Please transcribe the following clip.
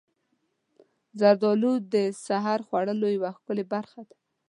زردالو د سحر خوړو یوه ښکلې برخه ده.